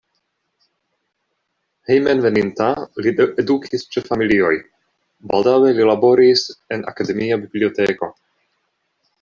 Hejmenveninta li edukis ĉe familioj, baldaŭe li laboris en akademia biblioteko.